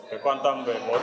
cái quan tâm về ban đọc